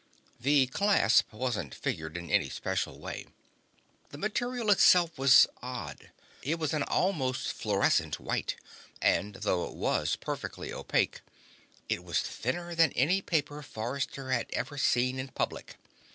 The clasp wasn't figured in any special way. The material itself was odd: it was an almost fluorescent white and, though it was perfectly opaque, it was thinner than any paper Forrester had ever seen in public.